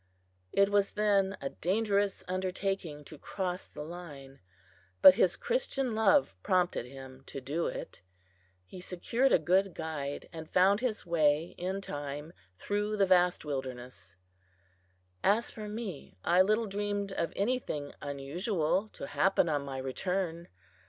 It was then a dangerous undertaking to cross the line, but his Christian love prompted him to do it. He secured a good guide, and found his way in time through the vast wilderness. As for me, I little dreamed of anything unusual to happen on my return.